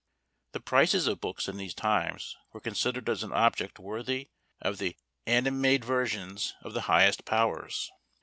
The prices of books in these times were considered as an object worthy of the animadversions of the highest powers.